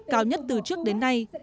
cao nhất từ trước đến nay